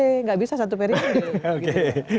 tidak bisa satu periode